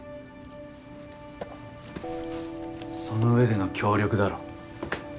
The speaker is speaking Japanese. その上での協力だろ。